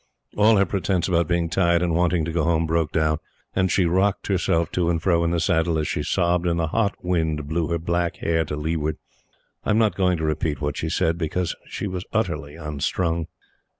All her pretence about being tired and wanting to go home broke down, and she rocked herself to and fro in the saddle as she sobbed, and the hot wind blew her black hair to leeward. I am not going to repeat what she said, because she was utterly unstrung.